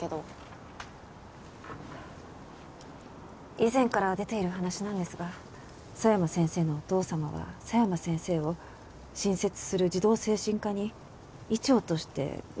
以前から出ている話なんですが佐山先生のお父様は佐山先生を新設する児童精神科に医長として迎え入れたいようです。